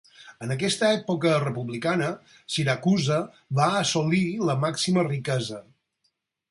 En aquesta època republicana Siracusa va assolir la màxima riquesa.